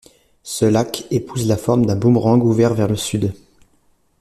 Ce lac épouse la forme d'un boomerang ouvert vers le Sud.